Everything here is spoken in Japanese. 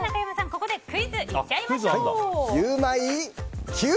ここでクイズいっちゃいましょう。